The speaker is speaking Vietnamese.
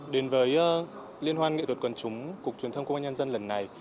đến với liên hoan nghệ thuật quần chúng cục truyền thông công an nhân dân lần này